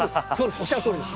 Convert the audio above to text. おっしゃるとおりです。